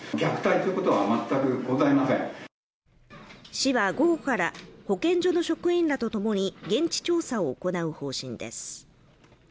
市は午後から保健所の職員らとともに現地調査を行う方針です。